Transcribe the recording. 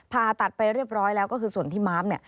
ผ่าตัดไปเรียบร้อยแล้วก็คือส่วนที่ม้าม